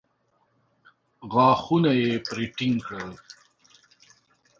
غاښونه يې پرې ټينګ کړل.